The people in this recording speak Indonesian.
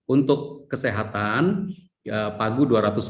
untuk kesehatan ya pagu dua ratus empat belas sembilan